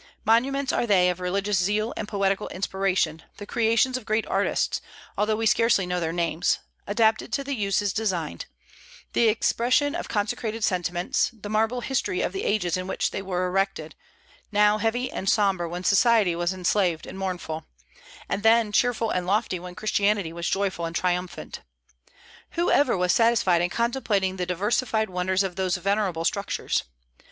Monuments are they of religious zeal and poetical inspiration, the creations of great artists, although we scarcely know their names; adapted to the uses designed; the expression of consecrated sentiments; the marble history of the ages in which they were erected, now heavy and sombre when society was enslaved and mournful; and then cheerful and lofty when Christianity was joyful and triumphant. Who ever was satisfied in contemplating the diversified wonders of those venerable structures?